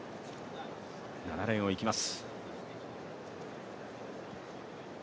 ７レーンをいきます。